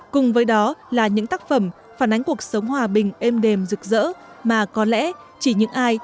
cùng với đó là những tác phẩm phản ánh cuộc sống hòa bình êm đềm rực rỡ mà có lẽ chỉ những ai